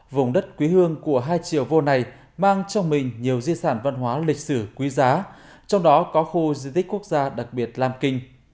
vùng đất quý hương của hai triều vô này mang trong mình nhiều di sản văn hóa lịch sử quý giá trong đó có khu di tích quốc gia đặc biệt lam kinh